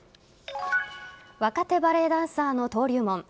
若手バレエダンサーの登竜門